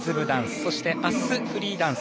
そしてあす、フリーダンス。